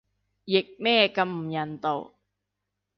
譯咩咁唔人道